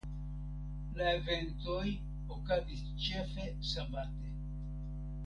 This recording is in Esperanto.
La eventoj okazis ĉefe sabate.